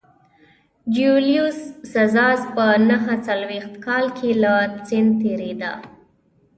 جیولیوس سزار په نهه څلوېښت کال کې له سیند تېرېده